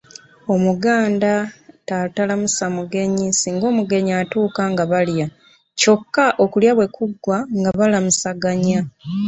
Omuganda atalamusa mugenyi ssinga omugenyi atuuka nga balya Kyoka okulya bwe kuggwa nga balamusaganya.